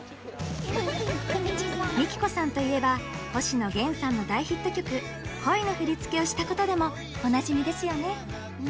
ＭＩＫＩＫＯさんといえば星野源さんの大ヒット曲「恋」の振り付けをしたことでもおなじみですよね！